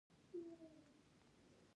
د پیاز شیره د څه لپاره وکاروم؟